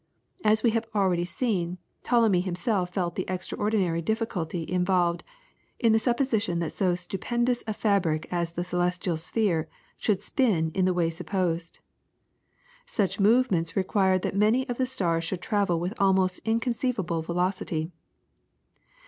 As we have already seen, Ptolemy himself felt the extraordinary difficulty involved in the supposition that so stupendous a fabric as the celestial sphere should spin in the way supposed. Such movements required that many of the stars should travel with almost inconceivable velocity.